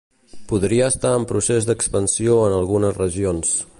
Podria estar en procés d'expansió en algunes regions.